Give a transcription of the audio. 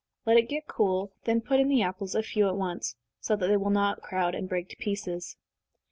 Let it get cool, then put in the apples, a few at once, so that they will not crowd, and break to pieces.